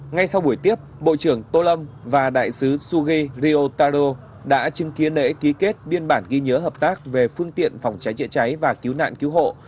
ngay sau buổi tiếp bộ trưởng tô lâm và đại sứ suge ryotaro đã chứng kiến lễ ký kết biên bản ghi nhớ hợp tác về phương tiện phòng cháy chữa cháy và cứu nạn cứu hộ